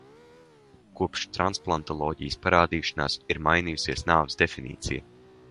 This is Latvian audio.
Kopš transplantoloģijas parādīšanās ir mainījusies nāves definīcija.